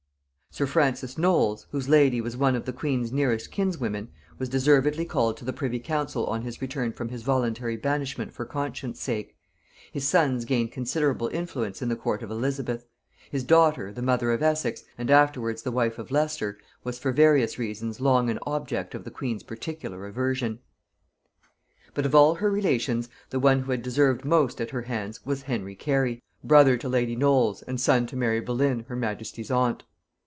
Sir Francis Knolles, whose lady was one of the queen's nearest kinswomen, was deservedly called to the privy council on his return from his voluntary banishment for conscience' sake; his sons gained considerable influence in the court of Elizabeth; his daughter, the mother of Essex, and afterwards the wife of Leicester, was for various reasons long an object of the queen's particular aversion. But of all her relations, the one who had deserved most at her hands was Henry Carey, brother to lady Knolles, and son to Mary Boleyn, her majesty's aunt.